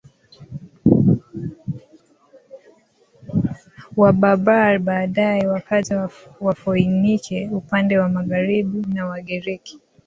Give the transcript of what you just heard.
Waberber Baadaye wakaja Wafoinike upande wa magharibi na Wagiriki